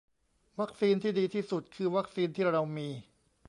วัคซีนที่ดีที่สุด คือวัคซีนที่เรามี